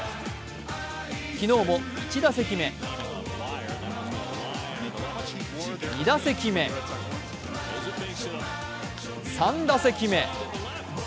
昨日も１打席目、２打席目、３打席目。